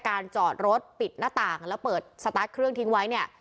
จอดรถปิดหน้าต่างแล้วเปิดสตาร์ทเครื่องทิ้งไว้เนี่ย